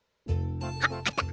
あっあった。